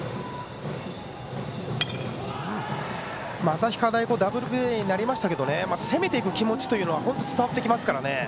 旭川大高はダブルプレーになりましたが攻めていく気持ちは本当に伝わってきますから。